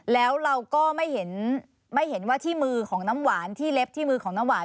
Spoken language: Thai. แล้วเราก็ไม่เห็นไม่เห็นว่าที่มือของน้ำหวานที่เล็บที่มือของน้ำหวาน